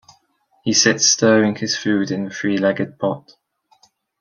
He sits stirring his food in the three-legged pot.